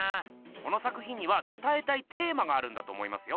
この作品にはつたえたいテーマがあるんだと思いますよ。